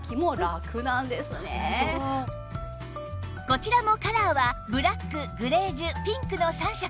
こちらもカラーはブラックグレージュピンクの３色